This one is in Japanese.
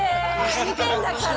見てんだから。